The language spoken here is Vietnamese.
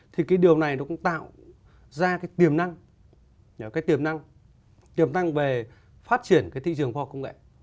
thì cái điều này nó cũng tạo ra cái tiềm năng cái tiềm năng tiềm năng về phát triển cái thị trường khoa học công nghệ